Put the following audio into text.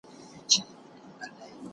د بخدي د بیرغو په شان رنګینې